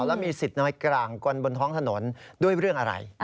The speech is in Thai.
แล้วมีสิทธิ์น้อยกลางกลบนท้องถนนด้วยเรื่องอะไร